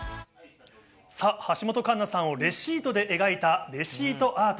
さあ、橋本環奈さんをレシートで描いたレシートアート。